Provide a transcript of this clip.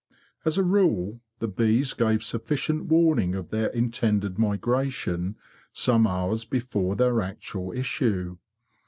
As a rule the bees gave sufficient warning of their intended migration some hours before their actual issue.